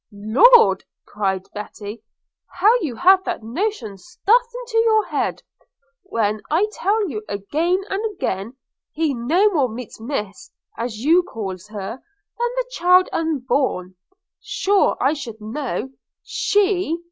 'Lord!' cried Betty, 'how you have that notion stuffed into your head – when I tell you again and again, he no more meets Miss, as you calls her, than the child unborn. Sure I should know – She!